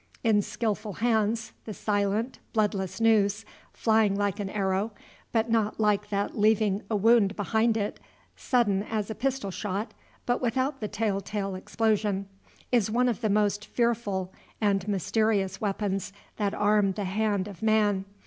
In skilful hands, the silent, bloodless noose, flying like an arrow, but not like that leaving a wound behind it, sudden as a pistol shot, but without the telltale explosion, is one of the most fearful and mysterious weapons that arm the hand of man.